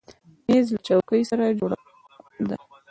مېز له چوکۍ سره جوړه ده.